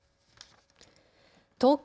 東京